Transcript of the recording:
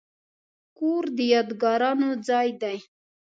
کور د یادګارونو ځای دی.